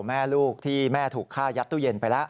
แม่ลูกที่แม่ถูกฆ่ายัดตู้เย็นไปแล้ว